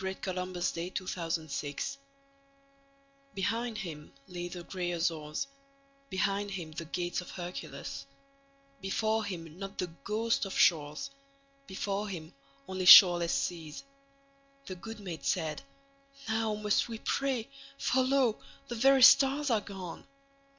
By JoaquinMiller 798 Columbus BEHIND him lay the gray Azores, Behind the Gates of Hercules; Before him not the ghost of shores, Before him only shoreless seas. The good mate said: "Now must we pray, For lo! the very stars are gone.